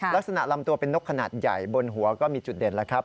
ลำตัวเป็นนกขนาดใหญ่บนหัวก็มีจุดเด่นแล้วครับ